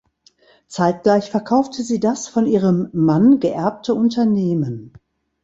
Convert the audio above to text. Zeitgleich verkaufte sie das von ihrem Mann geerbte Unternehmen.